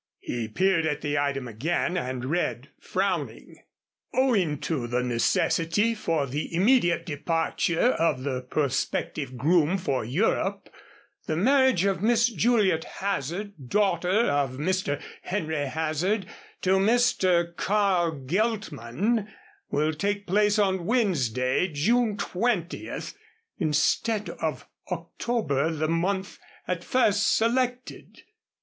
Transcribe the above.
He peered at the item again and read, frowning. "Owing to the necessity for the immediate departure of the prospective groom for Europe, the marriage of Miss Juliet Hazard, daughter of Mr. Henry Hazard, to Mr. Carl Geltman will take place on Wednesday, June twentieth, instead of in October, the month at first selected."